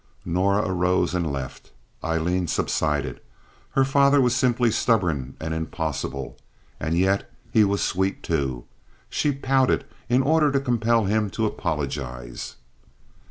Norah arose and left. Aileen subsided. Her father was simply stubborn and impossible. And yet he was sweet, too. She pouted in order to compel him to apologize.